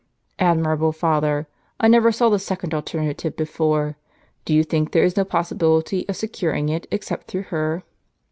"Admirable, father! I never saw the second alternative before. Do you think there is no possibility of securing it except through her?